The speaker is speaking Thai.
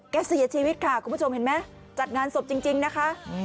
เสียชีวิตค่ะคุณผู้ชมเห็นไหมจัดงานศพจริงนะคะ